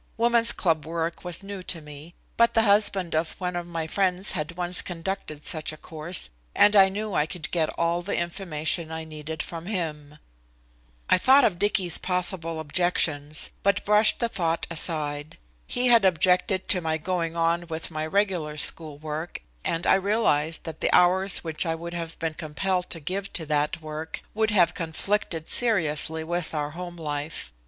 Woman's club work was new to me, but the husband of one of my friends had once conducted such a course, and I knew I could get all the information I needed from him. I thought of Dicky's possible objections, but brushed the thought aside. He had objected to my going on with my regular school work and I realized that the hours which I would have been compelled to give to that work would have conflicted seriously with our home life.